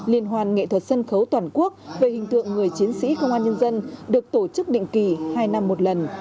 liên hoan nghệ thuật sân khấu toàn quốc về hình tượng người chiến sĩ công an nhân dân được tổ chức định kỳ hai năm một lần